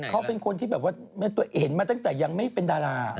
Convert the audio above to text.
เขาเป็นคนที่แบบว่าเห็นมาตั้งแต่ยังไม่เป็นดารา